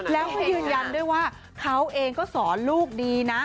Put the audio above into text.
แล้วก็ยืนยันด้วยว่าเขาเองก็สอนลูกดีนะ